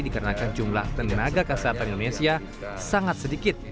dikarenakan jumlah tenaga kesehatan indonesia sangat sedikit